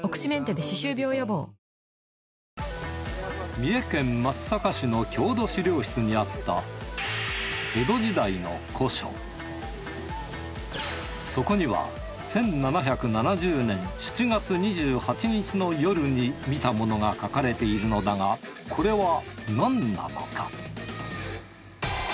三重県松阪市の郷土資料室にあったそこには１７７０年７月２８日の夜に見たモノが描かれているのだがこれは何なのか？